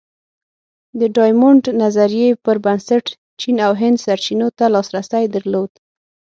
د ډایمونډ نظریې پر بنسټ چین او هند سرچینو ته لاسرسی درلود.